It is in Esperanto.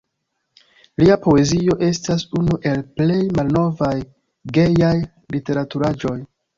Lia poezio estas unu el plej malnovaj gejaj literaturaĵoj.